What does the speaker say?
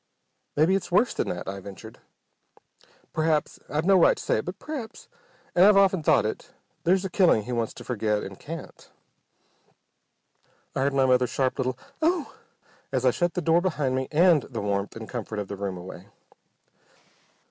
"Maybe it's worse than that," I ventured. "P'r'aps I've no right to say it but p'r'aps, and I've often thought it, there's a killing he wants to forget, and can't!" I heard my mother's sharp little "Oh!" as I shut the door behind me and the warmth and comfort of the room away.